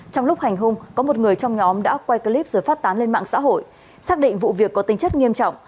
trong lúc hành hung có một người trong nhóm đã quay clip rồi phát tán lên mạng xã hội xác định vụ việc có tính chất nghiêm trọng